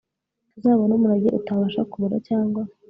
tuzabone umurage utabasha kubora cyangwa